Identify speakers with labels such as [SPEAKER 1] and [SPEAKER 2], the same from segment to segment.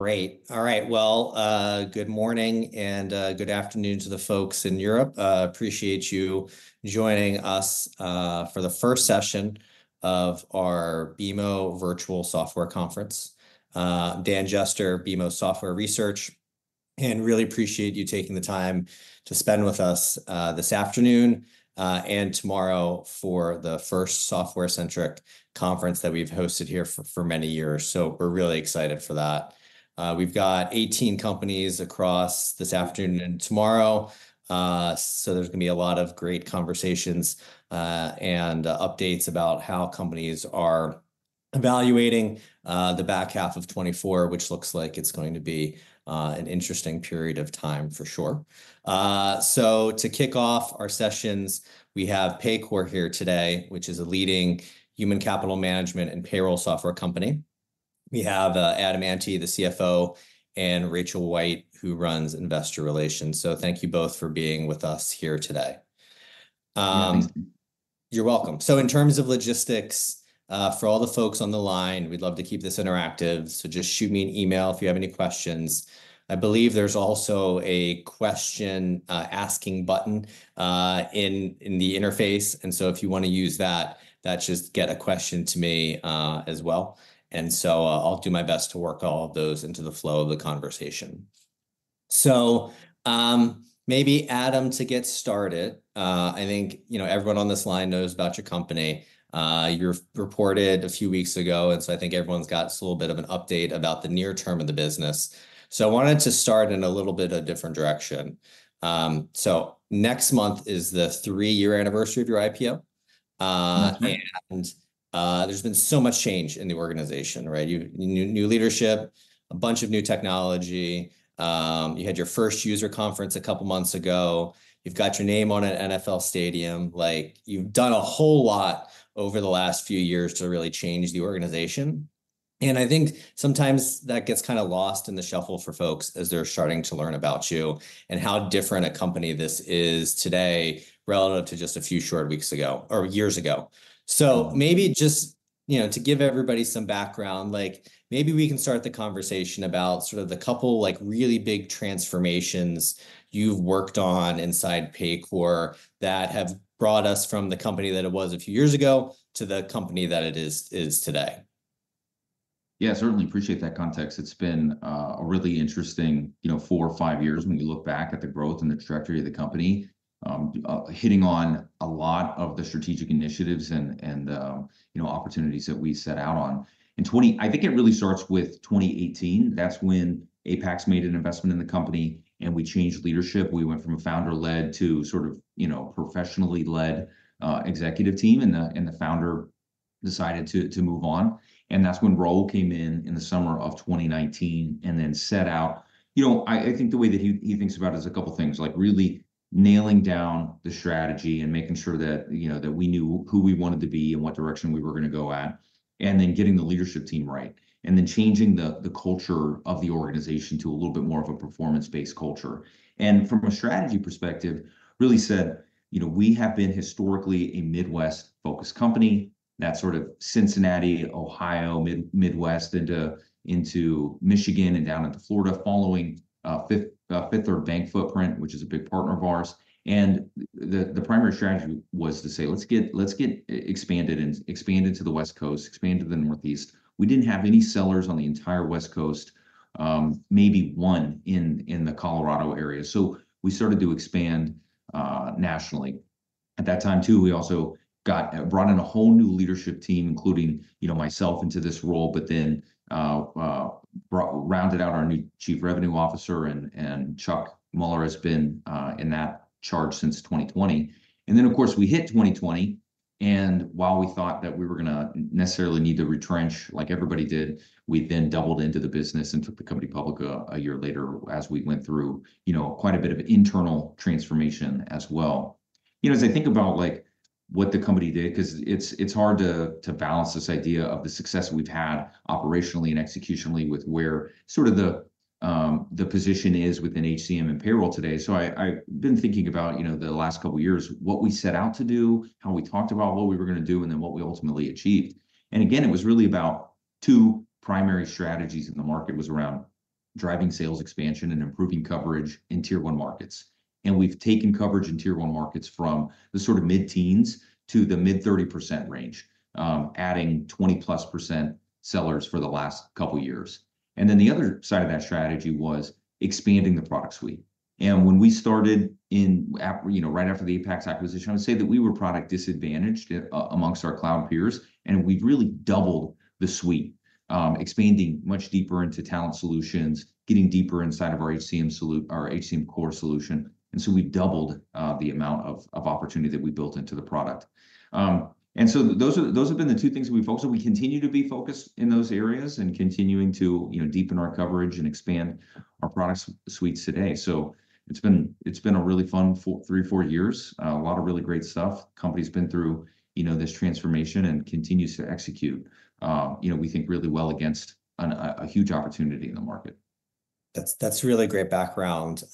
[SPEAKER 1] Great. All right, well, good morning and good afternoon to the folks in Europe. Appreciate you joining us for the first session of our BMO Virtual Software Conference. Dan Jester, BMO Software Research, and really appreciate you taking the time to spend with us this afternoon and tomorrow for the first software-centric conference that we've hosted here for many years. We're really excited for that. We've got 18 companies across this afternoon and tomorrow. So there's going to be a lot of great conversations and updates about how companies are evaluating the back half of 2024, which looks like it's going to be an interesting period of time for sure. To kick off our sessions, we have Paycor here today, which is a leading human capital management and payroll software company. We have Adam Ante, the CFO, and Rachel White, who runs investor relations. Thank you both for being with us here today. You're welcome. So in terms of logistics, for all the folks on the line, we'd love to keep this interactive. So just shoot me an email if you have any questions. I believe there's also a question asking button in the interface. And so if you want to use that, that's just get a question to me, as well. And so I'll do my best to work all of those into the flow of the conversation. So, maybe Adam to get started. I think, you know, everyone on this line knows about your company. You reported a few weeks ago, and so I think everyone's got a little bit of an update about the near term of the business. So I wanted to start in a little bit of a different direction. So next month is the three-year anniversary of your IPO. There's been so much change in the organization, right? You, new leadership, a bunch of new technology. You had your first user conference a couple of months ago. You've got your name on an NFL stadium. Like, you've done a whole lot over the last few years to really change the organization. I think sometimes that gets kind of lost in the shuffle for folks as they're starting to learn about you and how different a company this is today relative to just a few short weeks ago or years ago. So maybe just, you know, to give everybody some background, like, maybe we can start the conversation about sort of the couple, like, really big transformations you've worked on inside Paycor that have brought us from the company that it was a few years ago to the company that it is today.
[SPEAKER 2] Yeah, certainly. Appreciate that context. It's been a really interesting, you know, four or five years when you look back at the growth and the trajectory of the company, hitting on a lot of the strategic initiatives and, you know, opportunities that we set out on. I think it really starts with 2018. That's when Apax made an investment in the company, and we changed leadership. We went from a founder-led to sort of, you know, professionally led, executive team, and the founder decided to move on. That's when Raul came in in the summer of 2019 and then set out, you know, I think the way that he thinks about it is a couple of things, like really nailing down the strategy and making sure that, you know, that we knew who we wanted to be and what direction we were going to go at, and then getting the leadership team right, and then changing the culture of the organization to a little bit more of a performance-based culture. From a strategy perspective, really said, you know, we have been historically a Midwest-focused company, that sort of Cincinnati, Ohio, Midwest, into Michigan and down into Florida following Fifth Third Bank footprint, which is a big partner of ours. And the primary strategy was to say, let's get expanded to the West Coast and expanded to the Northeast. We didn't have any sellers on the entire West Coast, maybe one in the Colorado area. So we started to expand nationally. At that time, too, we also got brought in a whole new leadership team, including, you know, myself into this role, but then rounded out our new Chief Revenue Officer, and Chuck Mueller has been in charge since 2020. And then, of course, we hit 2020, and while we thought that we were going to necessarily need to retrench, like everybody did, we then doubled into the business and took the company public a year later as we went through, you know, quite a bit of internal transformation as well. You know, as I think about, like, what the company did, because it's hard to balance this idea of the success we've had operationally and executionally with where sort of the position is within HCM and payroll today. I've been thinking about, you know, the last couple of years, what we set out to do, how we talked about what we were going to do, and then what we ultimately achieved. Again, it was really about two primary strategies in the market was around driving sales expansion and improving coverage in tier one markets. We've taken coverage in tier one markets from the sort of mid-teens to the mid-30% range, adding 20%+ sellers for the last couple of years. Then the other side of that strategy was expanding the product suite. When we started in, you know, right after the Apax acquisition, I would say that we were product disadvantaged among our cloud peers, and we've really doubled the suite, expanding much deeper into talent solutions, getting deeper inside of our HCM solution, our HCM core solution. And so we've doubled the amount of opportunity that we built into the product, and so those are, those have been the two things we focus on. We continue to be focused in those areas and continuing to, you know, deepen our coverage and expand our product suites today. So it's been a really fun three or four years, a lot of really great stuff. The company's been through, you know, this transformation and continues to execute, you know, we think really well against a huge opportunity in the market.
[SPEAKER 1] That's really great background.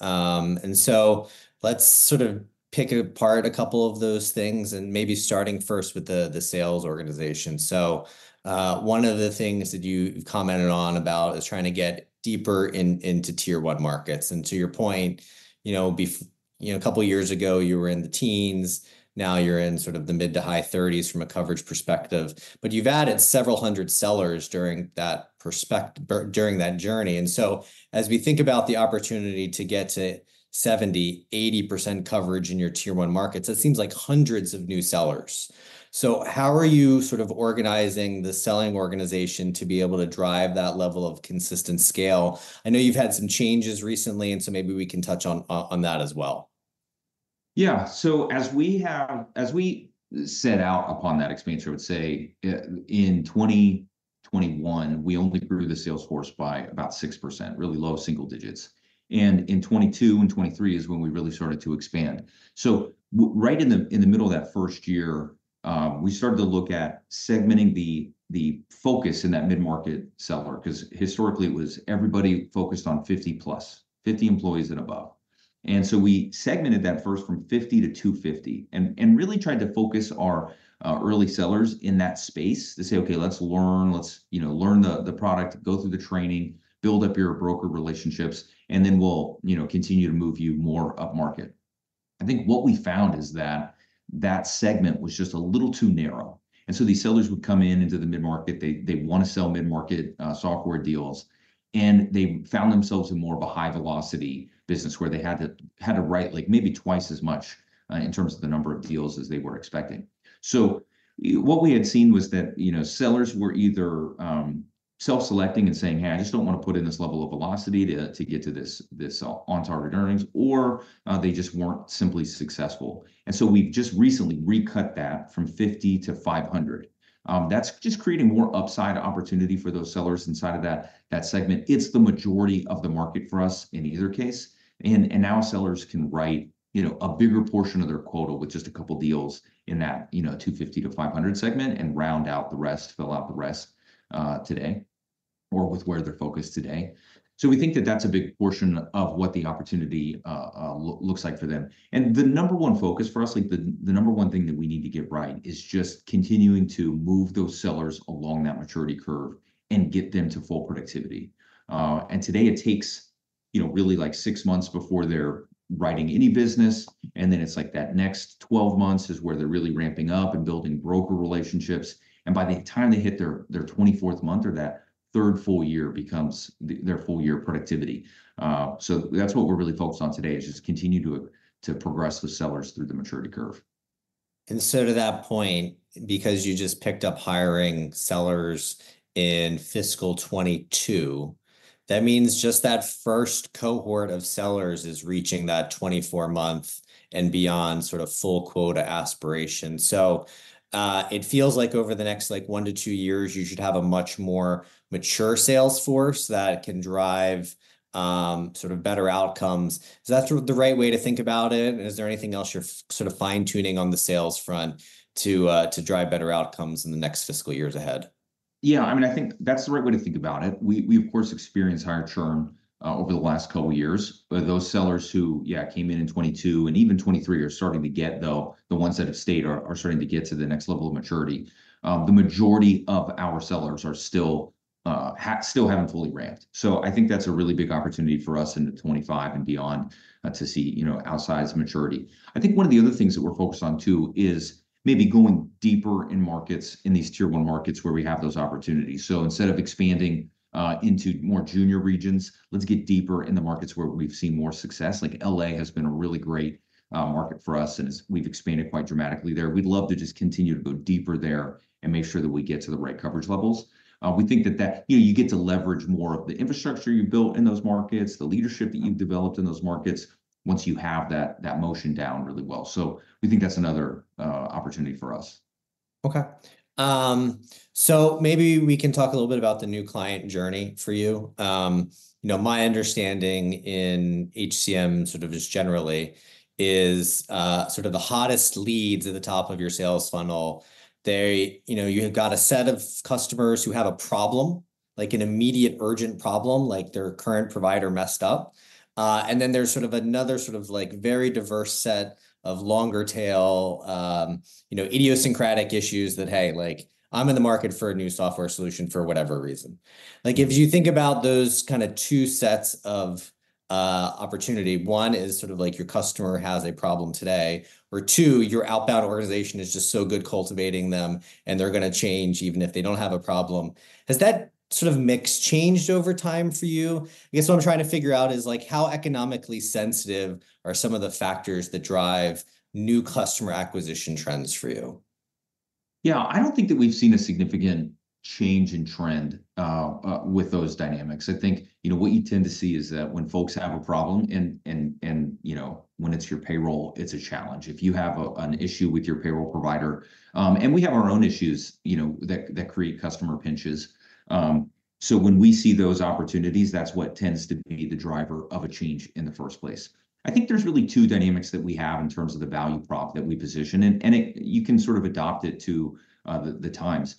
[SPEAKER 1] So let's sort of pick apart a couple of those things and maybe starting first with the sales organization. So, one of the things that you commented on about is trying to get deeper into tier one markets. And to your point, you know, before, you know, a couple of years ago, you were in the teens. Now you're in sort of the mid to high 30s from a coverage perspective, but you've added several hundred sellers during that period, during that journey. And so as we think about the opportunity to get to 70%-80% coverage in your tier one markets, it seems like hundreds of new sellers. So how are you sort of organizing the selling organization to be able to drive that level of consistent scale? I know you've had some changes recently, and so maybe we can touch on that as well.
[SPEAKER 2] Yeah. So as we set out upon that expansion, I would say in 2021, we only grew the sales force by about 6%, really low single digits. And in 2022 and 2023 is when we really started to expand. So right in the middle of that first year, we started to look at segmenting the focus in that mid-market seller because historically it was everybody focused on 50+, 50 employees and above. And so we segmented that first from 50 to 250 and really tried to focus our early sellers in that space to say, okay, let's learn, let's you know, learn the product, go through the training, build up your broker relationships, and then we'll, you know, continue to move you more up market. I think what we found is that segment was just a little too narrow. And so these sellers would come in into the mid-market. They want to sell mid-market software deals, and they found themselves in more of a high velocity business where they had to write like maybe twice as much, in terms of the number of deals as they were expecting. So what we had seen was that, you know, sellers were either self-selecting and saying, hey, I just don't want to put in this level of velocity to get to this on-target earnings, or they just weren't simply successful. And so we've just recently recut that from 50 to 500. That's just creating more upside opportunity for those sellers inside of that segment. It's the majority of the market for us in either case. And now sellers can write, you know, a bigger portion of their quota with just a couple of deals in that, you know, 250-500 segment and round out the rest, fill out the rest, today or with where they're focused today. So we think that that's a big portion of what the opportunity looks like for them. And the number one focus for us, like the number one thing that we need to get right is just continuing to move those sellers along that maturity curve and get them to full productivity. And today it takes, you know, really like six months before they're writing any business. And then it's like that next 12 months is where they're really ramping up and building broker relationships. And by the time they hit their 24th month or that third full year becomes their full year of productivity. That's what we're really focused on today is just continue to progress with sellers through the maturity curve.
[SPEAKER 1] To that point, because you just picked up hiring sellers in fiscal 2022, that means just that first cohort of sellers is reaching that 24-month and beyond sort of full quota aspiration. So, it feels like over the next like 1 year-2 years, you should have a much more mature sales force that can drive, sort of better outcomes. Is that the right way to think about it? And is there anything else you're sort of fine-tuning on the sales front to drive better outcomes in the next fiscal years ahead?
[SPEAKER 2] Yeah, I mean, I think that's the right way to think about it. We, of course, experienced higher churn over the last couple of years. But those sellers who, yeah, came in in 2022 and even 2023 are starting to get, though, the ones that have stayed are starting to get to the next level of maturity. The majority of our sellers are still haven't fully ramped. So I think that's a really big opportunity for us in the 2025 and beyond to see, you know, outsize maturity. I think one of the other things that we're focused on, too, is maybe going deeper in markets in these Tier one markets where we have those opportunities. So instead of expanding into more junior regions, let's get deeper in the markets where we've seen more success. Like LA has been a really great market for us, and we've expanded quite dramatically there. We'd love to just continue to go deeper there and make sure that we get to the right coverage levels. We think that that, you know, you get to leverage more of the infrastructure you've built in those markets, the leadership that you've developed in those markets once you have that that motion down really well. So we think that's another opportunity for us.
[SPEAKER 1] Okay. So maybe we can talk a little bit about the new client journey for you. You know, my understanding in HCM sort of just generally is, sort of the hottest leads at the top of your sales funnel. They, you know, you have got a set of customers who have a problem, like an immediate urgent problem, like their current provider messed up. And then there's sort of another sort of like very diverse set of longer tail, you know, idiosyncratic issues that, hey, like I'm in the market for a new software solution for whatever reason. Like if you think about those kind of two sets of opportunity, one is sort of like your customer has a problem today, or two, your outbound organization is just so good cultivating them and they're going to change even if they don't have a problem. Has that sort of mix changed over time for you? I guess what I'm trying to figure out is like how economically sensitive are some of the factors that drive new customer acquisition trends for you?
[SPEAKER 2] Yeah, I don't think that we've seen a significant change in trend with those dynamics. I think, you know, what you tend to see is that when folks have a problem and, you know, when it's your payroll, it's a challenge. If you have an issue with your payroll provider, and we have our own issues, you know, that create customer pinches. So when we see those opportunities, that's what tends to be the driver of a change in the first place. I think there's really two dynamics that we have in terms of the value prop that we position, and it you can sort of adopt it to the times.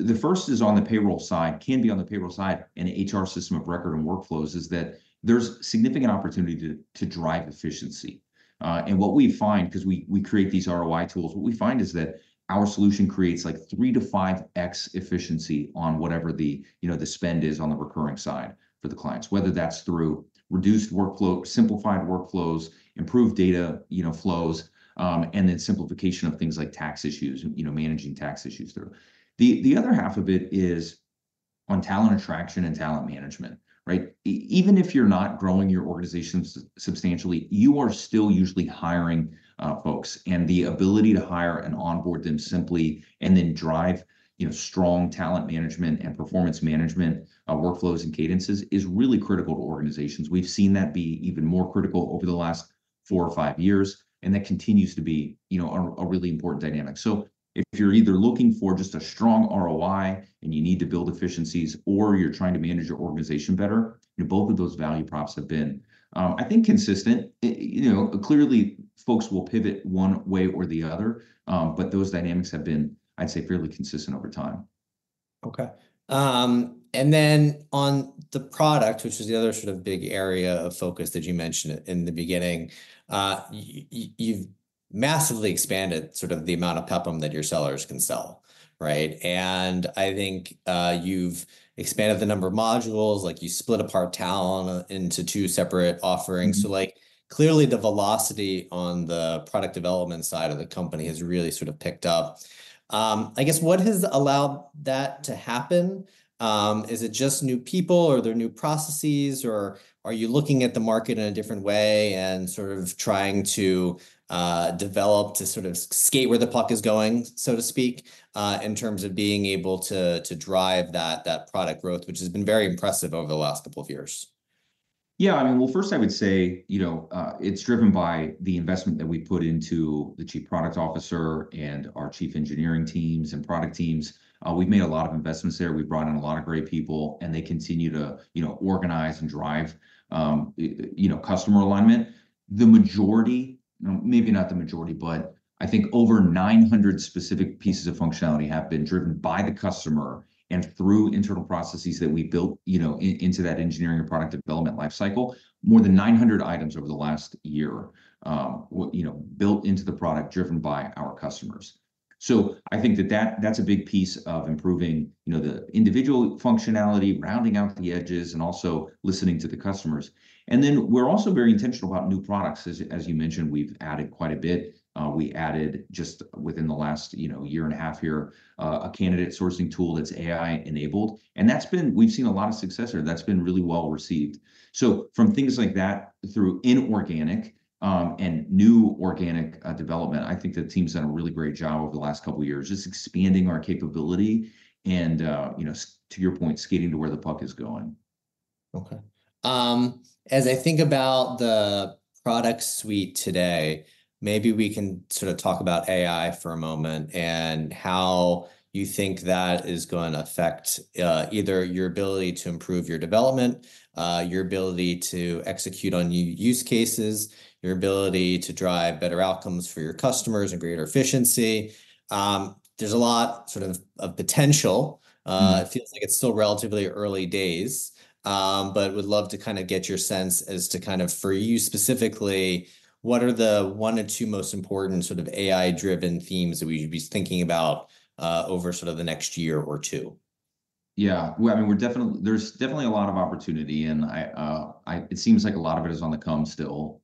[SPEAKER 2] The first is on the payroll side, can be on the payroll side and HR system of record and workflows is that there's significant opportunity to drive efficiency. What we find, because we create these ROI tools, what we find is that our solution creates like 3x-5x efficiency on whatever the, you know, the spend is on the recurring side for the clients, whether that's through reduced workflow, simplified workflows, improved data, you know, flows, and then simplification of things like tax issues, you know, managing tax issues through. The other half of it is on talent attraction and talent management, right? Even if you're not growing your organizations substantially, you are still usually hiring, folks. And the ability to hire and onboard them simply and then drive, you know, strong talent management and performance management, workflows and cadences is really critical to organizations. We've seen that be even more critical over the last four or five years, and that continues to be, you know, a really important dynamic. So if you're either looking for just a strong ROI and you need to build efficiencies, or you're trying to manage your organization better, you know, both of those value props have been, I think, consistent. You know, clearly folks will pivot one way or the other, but those dynamics have been, I'd say, fairly consistent over time.
[SPEAKER 1] Okay. And then on the product, which is the other sort of big area of focus that you mentioned in the beginning, you've massively expanded sort of the amount of PEPM that your sellers can sell, right? And I think, you've expanded the number of modules, like you split apart talent into two separate offerings. So like clearly the velocity on the product development side of the company has really sort of picked up. I guess what has allowed that to happen? Is it just new people or their new processes, or are you looking at the market in a different way and sort of trying to develop to sort of skate where the puck is going, so to speak, in terms of being able to drive that product growth, which has been very impressive over the last couple of years?
[SPEAKER 2] Yeah, I mean, well, first I would say, you know, it's driven by the investment that we put into the chief product officer and our chief engineering teams and product teams. We've made a lot of investments there. We've brought in a lot of great people, and they continue to, you know, organize and drive, you know, customer alignment. The majority, you know, maybe not the majority, but I think over 900 specific pieces of functionality have been driven by the customer and through internal processes that we built, you know, into that engineering and product development life cycle, more than 900 items over the last year, you know, built into the product driven by our customers. So I think that that that's a big piece of improving, you know, the individual functionality, rounding out the edges, and also listening to the customers. And then we're also very intentional about new products. As you mentioned, we've added quite a bit. We added just within the last, you know, year and a half here, a candidate sourcing tool that's AI enabled. And that's been we've seen a lot of success there. That's been really well received. So from things like that through inorganic, and new organic, development, I think the team's done a really great job over the last couple of years just expanding our capability and, you know, to your point, skating to where the puck is going.
[SPEAKER 1] Okay. As I think about the product suite today, maybe we can sort of talk about AI for a moment and how you think that is going to affect, either your ability to improve your development, your ability to execute on use cases, your ability to drive better outcomes for your customers and greater efficiency. There's a lot sort of of potential. It feels like it's still relatively early days, but would love to kind of get your sense as to kind of for you specifically, what are the one or two most important sort of AI-driven themes that we should be thinking about, over sort of the next year or two?
[SPEAKER 2] Yeah, well, I mean, we're definitely. There's definitely a lot of opportunity and it seems like a lot of it is on the come still.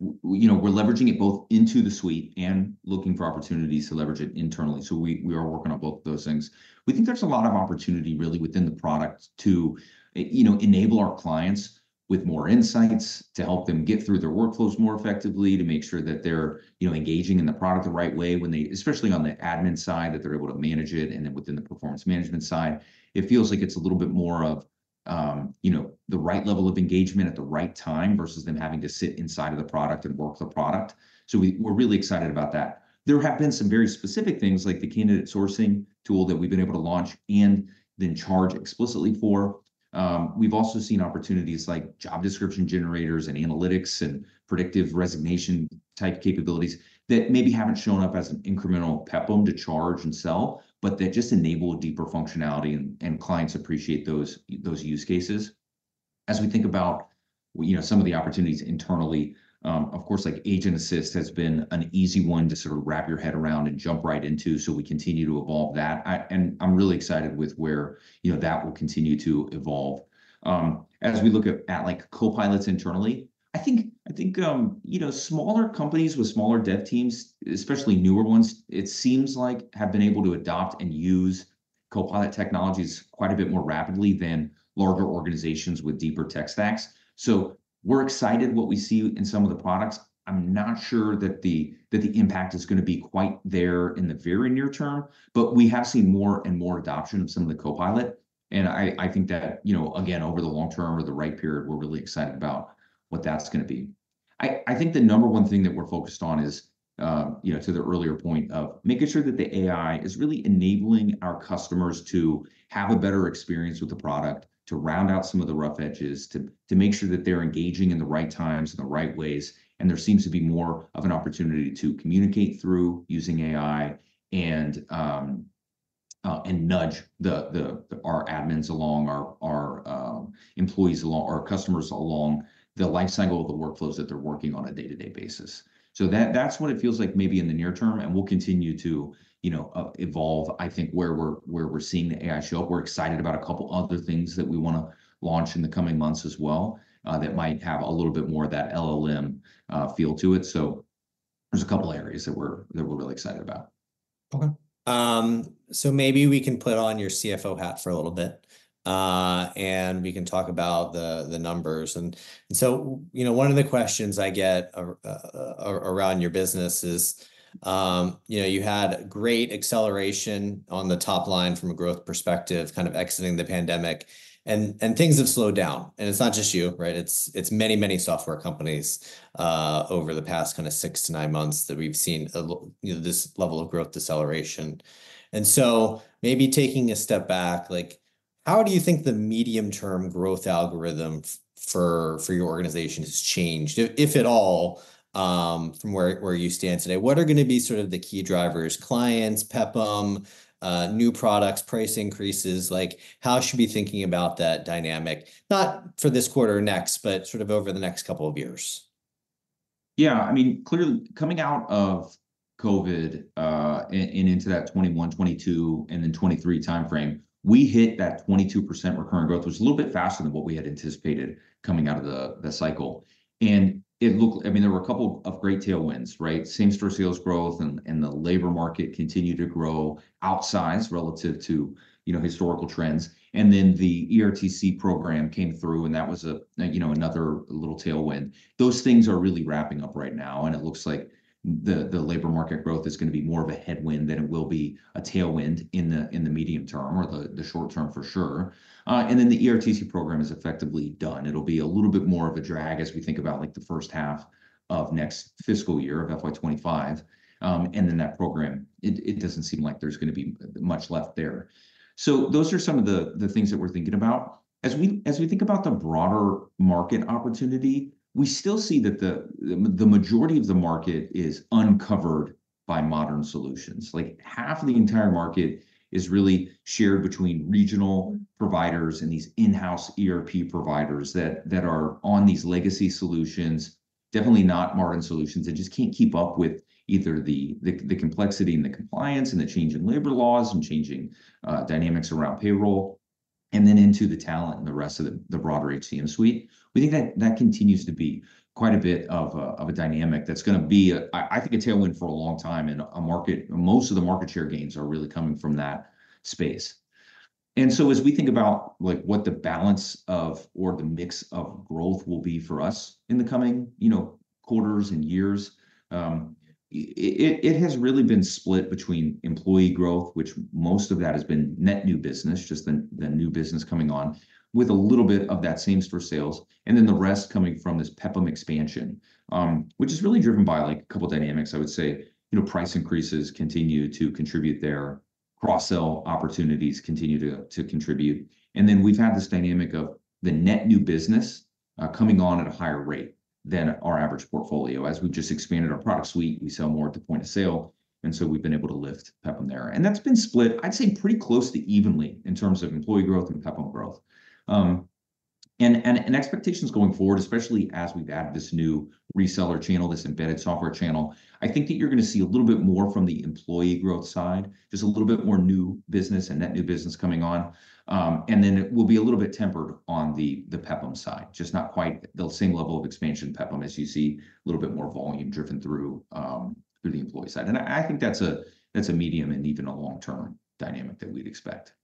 [SPEAKER 2] You know, we're leveraging it both into the suite and looking for opportunities to leverage it internally. So we are working on both of those things. We think there's a lot of opportunity really within the product to, you know, enable our clients with more insights to help them get through their workflows more effectively to make sure that they're, you know, engaging in the product the right way when they, especially on the admin side, that they're able to manage it. And then within the performance management side, it feels like it's a little bit more of, you know, the right level of engagement at the right time versus them having to sit inside of the product and work the product. So we're really excited about that. There have been some very specific things like the candidate sourcing tool that we've been able to launch and then charge explicitly for. We've also seen opportunities like job description generators and analytics and predictive resignation type capabilities that maybe haven't shown up as an incremental PEPM to charge and sell, but that just enable deeper functionality and clients appreciate those use cases. As we think about, you know, some of the opportunities internally, of course, like Agent Assist has been an easy one to sort of wrap your head around and jump right into. So we continue to evolve that. And I'm really excited with where, you know, that will continue to evolve. As we look at, like, Copilots internally, I think, you know, smaller companies with smaller dev teams, especially newer ones, it seems like have been able to adopt and use Copilot technologies quite a bit more rapidly than larger organizations with deeper tech stacks. So we're excited what we see in some of the products. I'm not sure that the impact is going to be quite there in the very near term, but we have seen more and more adoption of some of the Copilot. And I think that, you know, again, over the long term or the right period, we're really excited about what that's going to be. I think the number one thing that we're focused on is, you know, to the earlier point of making sure that the AI is really enabling our customers to have a better experience with the product, to round out some of the rough edges, to make sure that they're engaging in the right times and the right ways. And there seems to be more of an opportunity to communicate through using AI and, and nudge the our admins along, our employees along, our customers along the lifecycle of the workflows that they're working on a day-to-day basis. So that that's what it feels like maybe in the near term. And we'll continue to, you know, evolve, I think, where we're seeing the AI show up. We're excited about a couple other things that we want to launch in the coming months as well, that might have a little bit more of that LLM feel to it. So there's a couple of areas that we're really excited about.
[SPEAKER 1] Okay, so maybe we can put on your CFO hat for a little bit, and we can talk about the numbers. And so, you know, one of the questions I get around your business is, you know, you had a great acceleration on the top line from a growth perspective, kind of exiting the pandemic, and things have slowed down. And it's not just you, right? It's many, many software companies, over the past kind of 6 months-9 months that we've seen a, you know, this level of growth deceleration. And so maybe taking a step back, like, how do you think the medium-term growth algorithm for your organization has changed, if at all, from where you stand today? What are going to be sort of the key drivers? Clients, PEPM, new products, price increases? Like, how should we be thinking about that dynamic, not for this quarter or next, but sort of over the next couple of years?
[SPEAKER 2] Yeah, I mean, clearly coming out of COVID, and into that 2021, 2022, and then 2023 timeframe, we hit that 22% recurring growth, which was a little bit faster than what we had anticipated coming out of the cycle. And it looked, I mean, there were a couple of great tailwinds, right? Same-store sales growth and the labor market continued to grow outsized relative to, you know, historical trends. And then the ERTC program came through, and that was a, you know, another little tailwind. Those things are really wrapping up right now. And it looks like the labor market growth is going to be more of a headwind than it will be a tailwind in the medium term or the short term for sure. And then the ERTC program is effectively done. It'll be a little bit more of a drag as we think about like the first half of next fiscal year of FY25. And then that program, it doesn't seem like there's going to be much left there. So those are some of the things that we're thinking about. As we think about the broader market opportunity, we still see that the majority of the market is uncovered by modern solutions. Like half of the entire market is really shared between regional providers and these in-house ERP providers that are on these legacy solutions, definitely not modern solutions. They just can't keep up with either the complexity and the compliance and the change in labor laws and changing dynamics around payroll, and then into the talent and the rest of the broader HCM suite. We think that continues to be quite a bit of a dynamic that's going to be, I think, a tailwind for a long time in a market. Most of the market share gains are really coming from that space. And so as we think about like what the balance of or the mix of growth will be for us in the coming, you know, quarters and years, it has really been split between employee growth, which most of that has been net new business, just the new business coming on with a little bit of that same-store sales, and then the rest coming from this PEPM expansion, which is really driven by like a couple of dynamics. I would say, you know, price increases continue to contribute there. Cross-sale opportunities continue to contribute. And then we've had this dynamic of the net new business, coming on at a higher rate than our average portfolio. As we've just expanded our product suite, we sell more at the point of sale. And so we've been able to lift PEPM there. And that's been split, I'd say, pretty close to evenly in terms of employee growth and PEPM growth. Expectations going forward, especially as we've added this new reseller channel, this embedded software channel, I think that you're going to see a little bit more from the employee growth side, just a little bit more new business and net new business coming on. And then it will be a little bit tempered on the PEPM side, just not quite the same level of expansion PEPM as you see a little bit more volume driven through the employee side. I think that's a medium and even a long-term dynamic that we'd expect.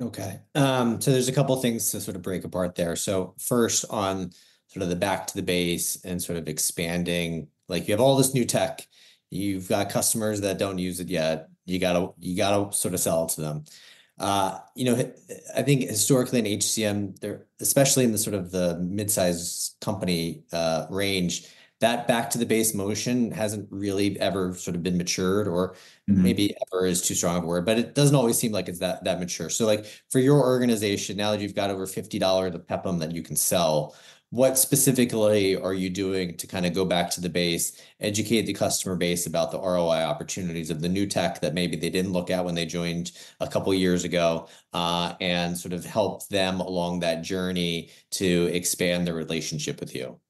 [SPEAKER 1] Okay. So there's a couple of things to sort of break apart there. So first on sort of the back to the base and sort of expanding, like you have all this new tech, you've got customers that don't use it yet, you got to you got to sort of sell it to them. You know, I think historically in HCM, there especially in the sort of the mid-size company range, that back-to-the-base motion hasn't really ever sort of been matured or maybe ever is too strong a word, but it doesn't always seem like it's that that mature. So like for your organization, now that you've got over $50 of PEPM that you can sell, what specifically are you doing to kind of go back to the base, educate the customer base about the ROI opportunities of the new tech that maybe they didn't look at when they joined a couple of years ago, and sort of help them along that journey to expand their relationship with you?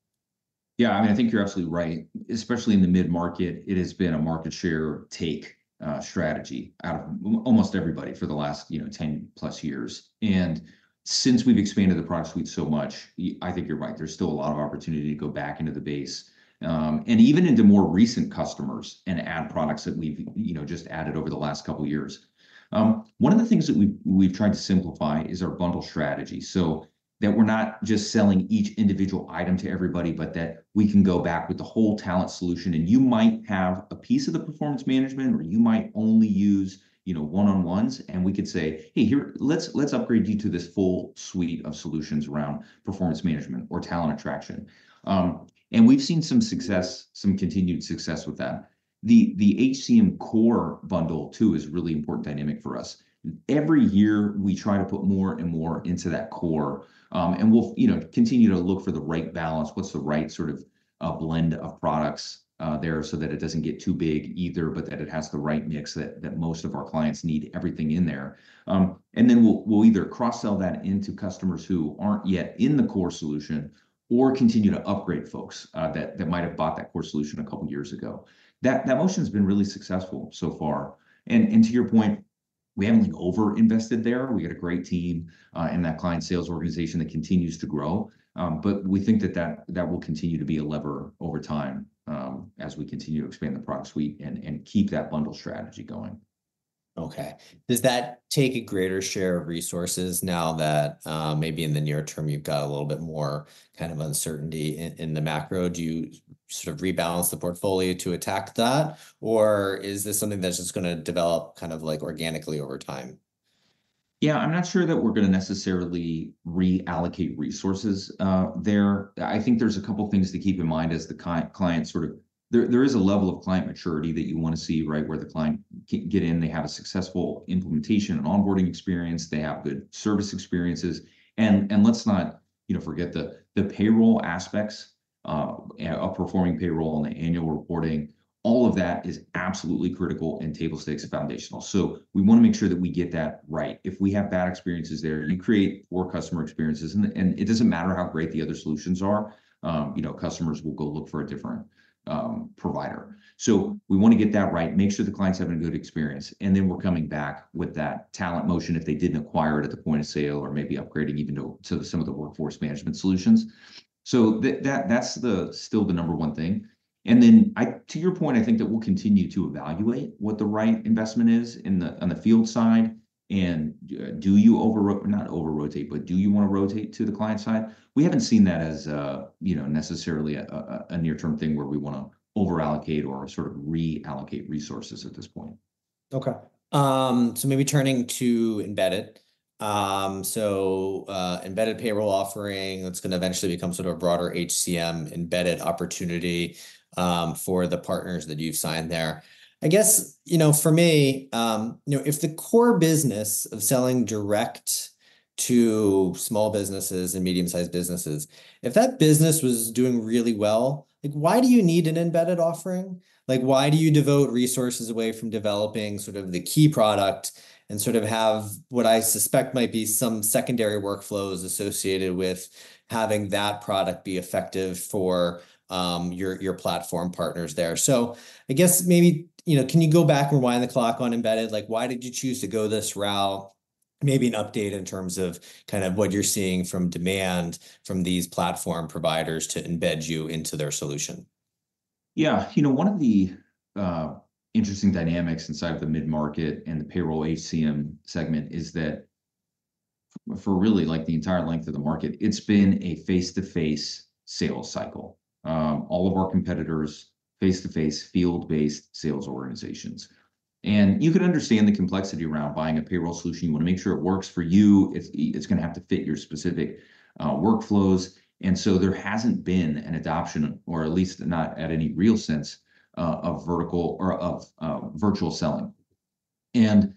[SPEAKER 2] Yeah, I mean, I think you're absolutely right. Especially in the mid-market, it has been a market share take, strategy out of almost everybody for the last, you know, 10+ years. And since we've expanded the product suite so much, I think you're right. There's still a lot of opportunity to go back into the base, and even into more recent customers and add products that we've, you know, just added over the last couple of years. One of the things that we've tried to simplify is our bundle strategy so that we're not just selling each individual item to everybody, but that we can go back with the whole talent solution. And you might have a piece of the performance management, or you might only use, you know, one-on-ones, and we could say, "Hey, here, let's upgrade you to this full suite of solutions around performance management or talent attraction." And we've seen some success, some continued success with that. The HCM core bundle too is a really important dynamic for us. Every year we try to put more and more into that core, and we'll, you know, continue to look for the right balance, what's the right sort of, blend of products, there so that it doesn't get too big either, but that it has the right mix that most of our clients need everything in there. And then we'll either cross-sell that into customers who aren't yet in the core solution or continue to upgrade folks that might have bought that core solution a couple of years ago. That motion has been really successful so far. And to your point, we haven't over-invested there. We got a great team in that client sales organization that continues to grow. But we think that will continue to be a lever over time, as we continue to expand the product suite and keep that bundle strategy going.
[SPEAKER 1] Okay. Does that take a greater share of resources now that, maybe in the near term you've got a little bit more kind of uncertainty in the macro? Do you sort of rebalance the portfolio to attack that, or is this something that's just going to develop kind of like organically over time?
[SPEAKER 2] Yeah, I'm not sure that we're going to necessarily reallocate resources there. I think there's a couple of things to keep in mind as the client sort of there is a level of client maturity that you want to see, right, where the client can get in. They have a successful implementation and onboarding experience. They have good service experiences. And let's not, you know, forget the payroll aspects of performing payroll and the annual reporting. All of that is absolutely critical and table stakes and foundational. So we want to make sure that we get that right. If we have bad experiences there, you create poor customer experiences. And it doesn't matter how great the other solutions are. You know, customers will go look for a different provider. So we want to get that right, make sure the clients have a good experience. And then we're coming back with that talent motion if they didn't acquire it at the point of sale or maybe upgrading even to some of the workforce management solutions. So that's still the number one thing. And then, to your point, I think that we'll continue to evaluate what the right investment is in the on the field side. And do you over not over-rotate, but do you want to rotate to the client side? We haven't seen that as, you know, necessarily a near-term thing where we want to over-allocate or sort of reallocate resources at this point.
[SPEAKER 1] Okay. Maybe turning to embedded. Embedded payroll offering that's going to eventually become sort of a broader HCM embedded opportunity, for the partners that you've signed there. I guess, you know, for me, you know, if the core business of selling direct to small businesses and medium-sized businesses, if that business was doing really well, like, why do you need an embedded offering? Like, why do you devote resources away from developing sort of the key product and sort of have what I suspect might be some secondary workflows associated with having that product be effective for, your your platform partners there? I guess maybe, you know, can you go back and rewind the clock on embedded? Like, why did you choose to go this route? Maybe an update in terms of kind of what you're seeing from demand from these platform providers to embed you into their solution?
[SPEAKER 2] Yeah, you know, one of the interesting dynamics inside of the mid-market and the payroll HCM segment is that for really like the entire length of the market, it's been a face-to-face sales cycle. All of our competitors, face-to-face, field-based sales organizations. And you can understand the complexity around buying a payroll solution. You want to make sure it works for you. It's going to have to fit your specific workflows. And so there hasn't been an adoption, or at least not at any real sense, of vertical or of virtual selling. And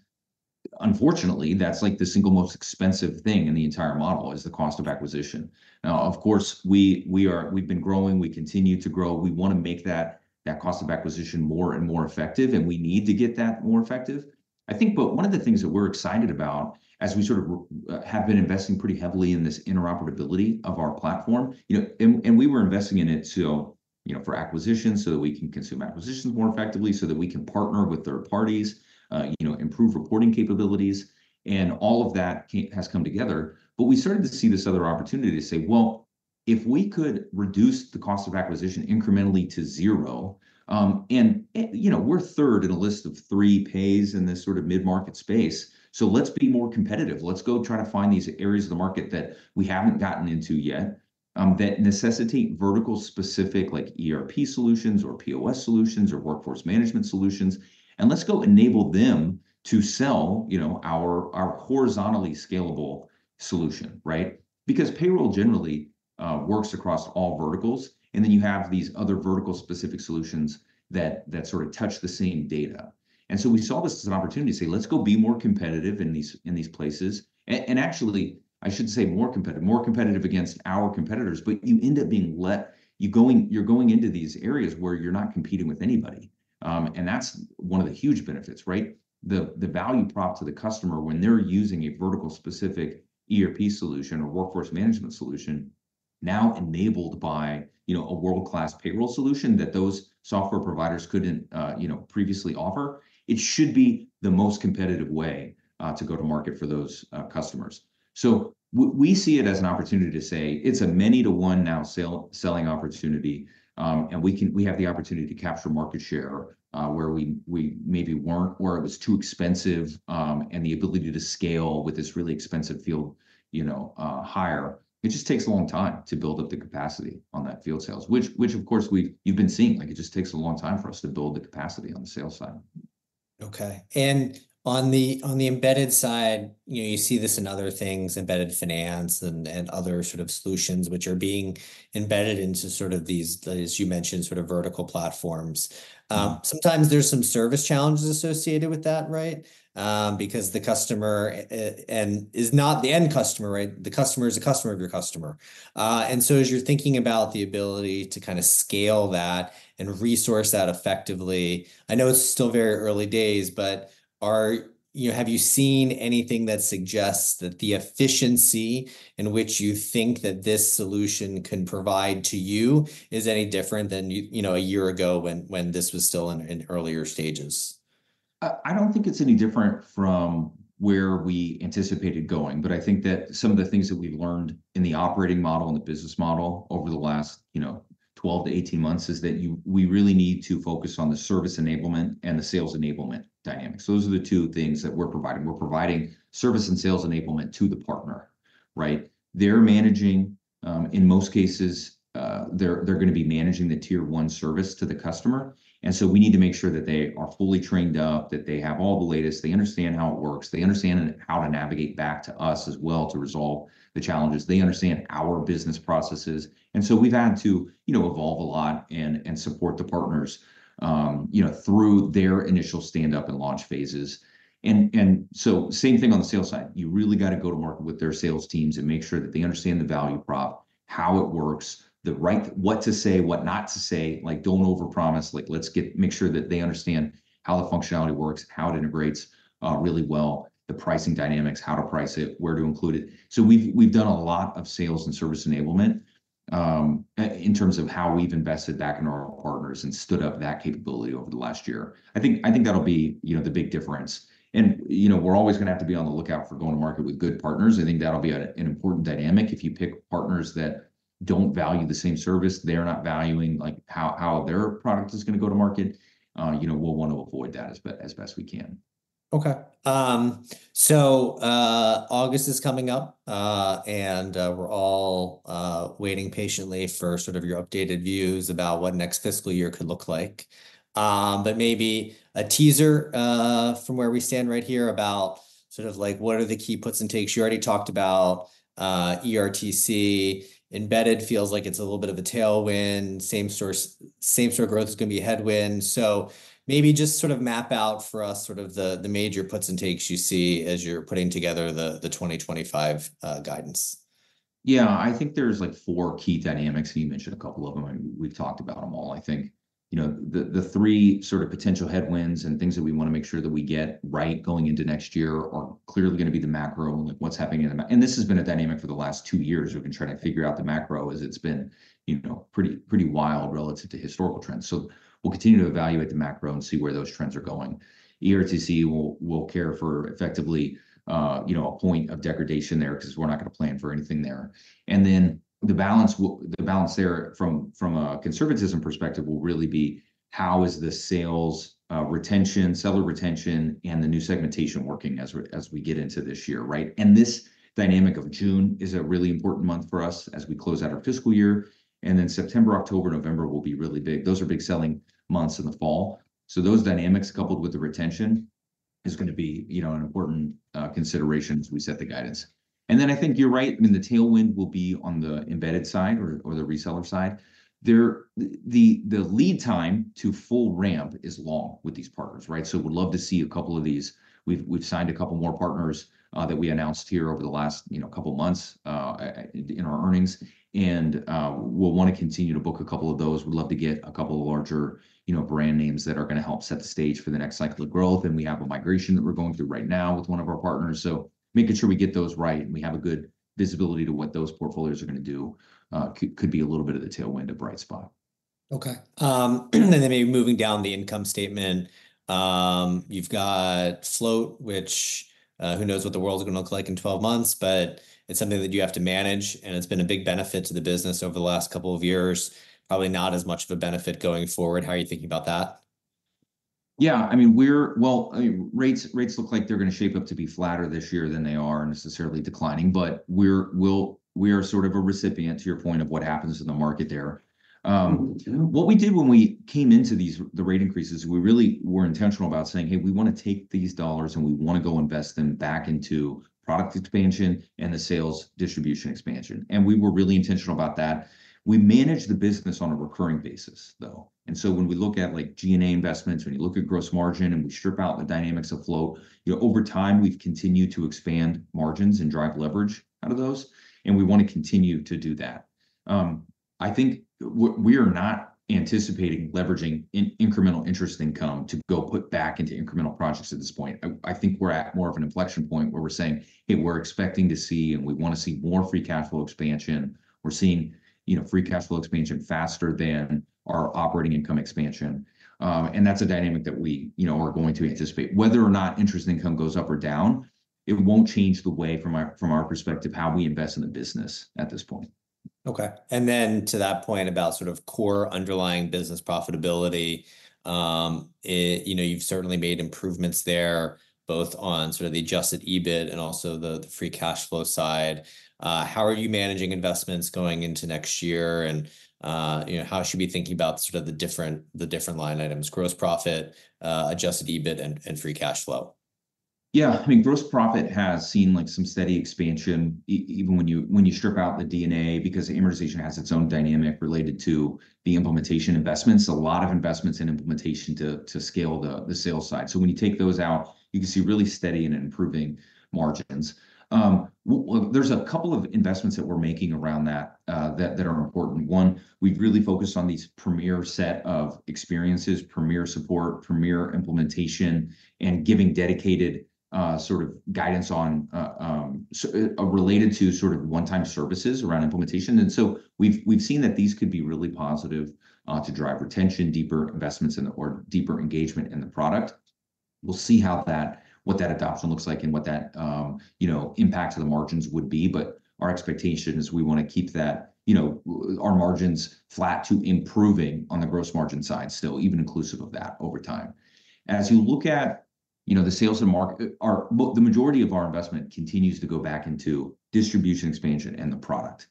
[SPEAKER 2] unfortunately, that's like the single most expensive thing in the entire model is the cost of acquisition. Now, of course, we've been growing. We continue to grow. We want to make that cost of acquisition more and more effective, and we need to get that more effective. I think, but one of the things that we're excited about as we sort of have been investing pretty heavily in this interoperability of our platform, you know, and we were investing in it to, you know, for acquisition so that we can consume acquisitions more effectively so that we can partner with third parties, you know, improve reporting capabilities. All of that has come together. But we started to see this other opportunity to say, well, if we could reduce the cost of acquisition incrementally to zero, and, you know, we're third in a list of three players in this sort of mid-market space. So let's be more competitive. Let's go try to find these areas of the market that we haven't gotten into yet, that necessitate vertical-specific, like ERP solutions or POS solutions or workforce management solutions. Let's go enable them to sell, you know, our horizontally scalable solution, right? Because payroll generally works across all verticals. Then you have these other vertical-specific solutions that sort of touch the same data. So we saw this as an opportunity to say, let's go be more competitive in these places. And actually, I should say more competitive against our competitors, but you end up going into these areas where you're not competing with anybody. And that's one of the huge benefits, right? The value prop to the customer when they're using a vertical-specific ERP solution or workforce management solution now enabled by, you know, a world-class payroll solution that those software providers couldn't, you know, previously offer. It should be the most competitive way to go to market for those customers. So we see it as an opportunity to say it's a many-to-one now sale selling opportunity. And we can have the opportunity to capture market share, where we maybe weren't where it was too expensive, and the ability to scale with this really expensive field, you know, higher. It just takes a long time to build up the capacity on that field sales, which of course, you've been seeing, like it just takes a long time for us to build the capacity on the sales side.
[SPEAKER 1] Okay. And on the embedded side, you know, you see this in other things, embedded finance and other sort of solutions, which are being embedded into sort of these, as you mentioned, sort of vertical platforms. Sometimes there's some service challenges associated with that, right? Because the customer is not the end customer, right? The customer is a customer of your customer. And so as you're thinking about the ability to kind of scale that and resource that effectively, I know it's still very early days, but are, you know, have you seen anything that suggests that the efficiency in which you think that this solution can provide to you is any different than, you know, a year ago when this was still in earlier stages?
[SPEAKER 2] I don't think it's any different from where we anticipated going, but I think that some of the things that we've learned in the operating model and the business model over the last, you know, 12 months-18 months is that you we really need to focus on the service enablement and the sales enablement dynamics. Those are the two things that we're providing. We're providing service and sales enablement to the partner, right? They're managing, in most cases, they're going to be managing the tier one service to the customer. And so we need to make sure that they are fully trained up, that they have all the latest, they understand how it works, they understand how to navigate back to us as well to resolve the challenges. They understand our business processes. And so we've had to, you know, evolve a lot and support the partners, you know, through their initial stand-up and launch phases. And so same thing on the sales side. You really got to go to market with their sales teams and make sure that they understand the value prop, how it works, the right what to say, what not to say, like don't overpromise, like let's get make sure that they understand how the functionality works, how it integrates, really well, the pricing dynamics, how to price it, where to include it. So we've done a lot of sales and service enablement, in terms of how we've invested back in our partners and stood up that capability over the last year. I think that'll be, you know, the big difference. You know, we're always going to have to be on the lookout for going to market with good partners. I think that'll be an important dynamic. If you pick partners that don't value the same service, they're not valuing like how their product is going to go to market, you know, we'll want to avoid that as best as we can.
[SPEAKER 1] Okay, so August is coming up, and we're all waiting patiently for sort of your updated views about what next fiscal year could look like. But maybe a teaser from where we stand right here about sort of like what are the key puts and takes. You already talked about ERTC. Embedded feels like it's a little bit of a tailwind. Same-store sales growth is going to be a headwind. So maybe just sort of map out for us sort of the major puts and takes you see as you're putting together the 2025 guidance.
[SPEAKER 2] Yeah, I think there's like four key dynamics, and you mentioned a couple of them, and we've talked about them all. I think, you know, the three sort of potential headwinds and things that we want to make sure that we get right going into next year are clearly going to be the macro and like what's happening in the macro. And this has been a dynamic for the last two years. We've been trying to figure out the macro as it's been, you know, pretty wild relative to historical trends. So we'll continue to evaluate the macro and see where those trends are going. ERTC will care for effectively, you know, a point of degradation there because we're not going to plan for anything there. And then the balance there from a conservatism perspective will really be how is the sales, retention, seller retention, and the new segmentation working as we get into this year, right? And this dynamic of June is a really important month for us as we close out our fiscal year. And then September, October, November will be really big. Those are big selling months in the fall. So those dynamics coupled with the retention is going to be, you know, an important consideration as we set the guidance. And then I think you're right. I mean, the tailwind will be on the embedded side or the reseller side. There the lead time to full ramp is long with these partners, right? So we'd love to see a couple of these. We've signed a couple more partners that we announced here over the last, you know, couple months, in our earnings. We'll want to continue to book a couple of those. We'd love to get a couple of larger, you know, brand names that are going to help set the stage for the next cycle of growth. We have a migration that we're going through right now with one of our partners. Making sure we get those right and we have a good visibility to what those portfolios are going to do could be a little bit of the tailwind of bright spot.
[SPEAKER 1] Okay. And then maybe moving down the income statement, you've got float, which, who knows what the world is going to look like in 12 months, but it's something that you have to manage. It's been a big benefit to the business over the last couple of years. Probably not as much of a benefit going forward. How are you thinking about that?
[SPEAKER 2] Yeah, I mean, well, rates look like they're going to shape up to be flatter this year than they are necessarily declining. But we are sort of a recipient to your point of what happens in the market there. What we did when we came into these rate increases, we really were intentional about saying, hey, we want to take these dollars and we want to go invest them back into product expansion and the sales distribution expansion. And we were really intentional about that. We manage the business on a recurring basis, though. And so when we look at like G&A investments, when you look at gross margin and we strip out the dynamics of float, you know, over time we've continued to expand margins and drive leverage out of those. And we want to continue to do that. I think we're not anticipating leveraging incremental interest income to go put back into incremental projects at this point. I think we're at more of an inflection point where we're saying, hey, we're expecting to see and we want to see more free cash flow expansion. We're seeing, you know, free cash flow expansion faster than our operating income expansion. That's a dynamic that we, you know, are going to anticipate. Whether or not interest income goes up or down, it won't change the way from our perspective how we invest in the business at this point.
[SPEAKER 1] Okay. And then to that point about sort of core underlying business profitability, you know, you've certainly made improvements there, both on sort of the adjusted EBIT and also the free cash flow side. How are you managing investments going into next year? And, you know, how should we be thinking about sort of the different line items, gross profit, adjusted EBIT, and free cash flow?
[SPEAKER 2] Yeah, I mean, gross profit has seen like some steady expansion even when you strip out the D&A because the amortization has its own dynamic related to the implementation investments, a lot of investments in implementation to scale the sales side. So when you take those out, you can see really steady and improving margins. There’s a couple of investments that we’re making around that that are important. One, we’ve really focused on these premier set of experiences, premier support, premier implementation, and giving dedicated, sort of guidance on, related to sort of one-time services around implementation. And so we’ve seen that these could be really positive, to drive retention, deeper investments in the or deeper engagement in the product. We’ll see how that what that adoption looks like and what that, you know, impact to the margins would be. But our expectation is we want to keep that, you know, our margins flat to improving on the gross margin side still, even inclusive of that over time. As you look at, you know, the sales and marketing, the majority of our investment continues to go back into distribution expansion and the product.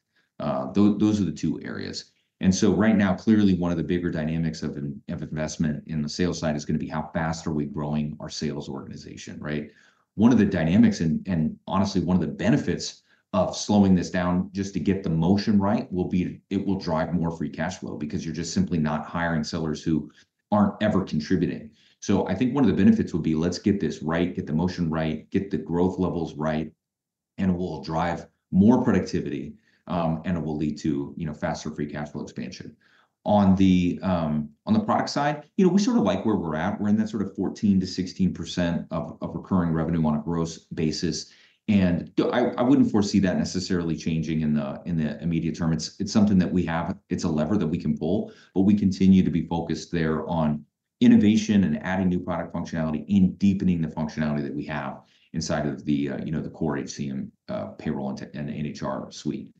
[SPEAKER 2] Those are the two areas. And so right now, clearly, one of the bigger dynamics of investment in the sales side is going to be how fast are we growing our sales organization, right? One of the dynamics and honestly, one of the benefits of slowing this down just to get the motion right will be it will drive more free cash flow because you're just simply not hiring sellers who aren't ever contributing. So I think one of the benefits would be let's get this right, get the motion right, get the growth levels right, and it will drive more productivity, and it will lead to, you know, faster free cash flow expansion. On the product side, you know, we sort of like where we're at. We're in that sort of 14%-16% of recurring revenue on a gross basis. And I wouldn't foresee that necessarily changing in the immediate term. It's something that we have. It's a lever that we can pull, but we continue to be focused there on innovation and adding new product functionality and deepening the functionality that we have inside of the, you know, the core HCM, payroll, and HR suite.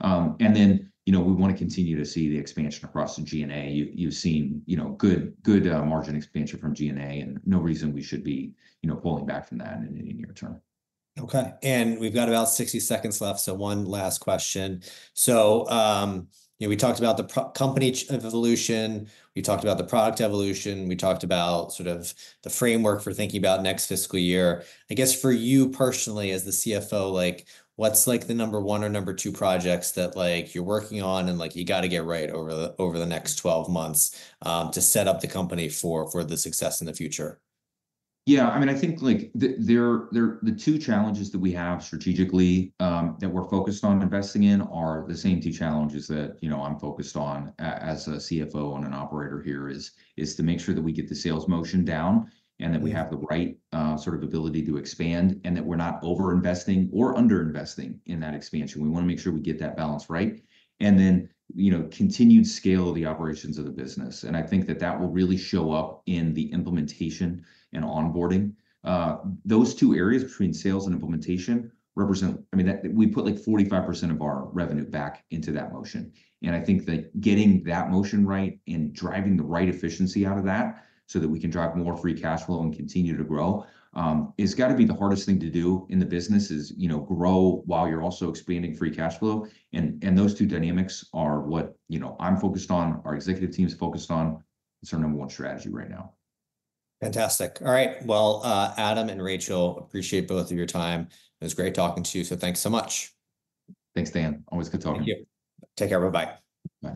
[SPEAKER 2] And then, you know, we want to continue to see the expansion across the G&A. You've seen, you know, good margin expansion from G&A, and no reason we should be, you know, pulling back from that in any near term.
[SPEAKER 1] Okay. We've got about 60 seconds left. One last question. You know, we talked about the company evolution. We talked about the product evolution. We talked about sort of the framework for thinking about next fiscal year. I guess for you personally, as the CFO, like what's the number one or number two projects that like you're working on and like you got to get right over the next 12 months, to set up the company for the success in the future?
[SPEAKER 2] Yeah, I mean, I think like the two challenges that we have strategically, that we're focused on investing in are the same two challenges that, you know, I'm focused on as a CFO and an operator here is to make sure that we get the sales motion down and that we have the right, sort of ability to expand and that we're not overinvesting or underinvesting in that expansion. We want to make sure we get that balance right. And then, you know, continued scale of the operations of the business. And I think that will really show up in the implementation and onboarding. Those two areas between sales and implementation represent, I mean, that we put like 45% of our revenue back into that motion. I think that getting that motion right and driving the right efficiency out of that so that we can drive more free cash flow and continue to grow is got to be the hardest thing to do in the business, you know, grow while you're also expanding free cash flow. Those two dynamics are what, you know, I'm focused on, our executive team's focused on. It's our number one strategy right now.
[SPEAKER 1] Fantastic. All right. Well, Adam and Rachel, appreciate both of your time. It was great talking to you. Thanks so much.
[SPEAKER 2] Thanks, Dan. Always good talking to you.
[SPEAKER 1] Take care. Bye-bye.
[SPEAKER 2] Bye.